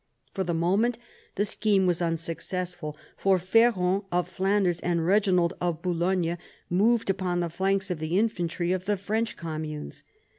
For the moment the scheme was unsuccessful, for Ferrand of Flanders and Eeginald of Boulogne moved upon the flanks of the infantry of the French communes.